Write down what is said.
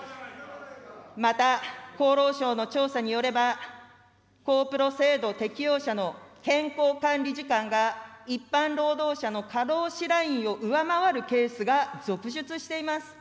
また、厚労省の調査によれば、高プロ制度適用者の健康管理時間が一般労働者の過労死ラインを上回るケースが続出しています。